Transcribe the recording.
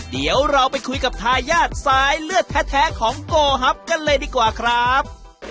เดี๋ยวเราไปคุยกับทายาทสายเลือดแท้ของโกฮับกันเลยดีกว่าครับ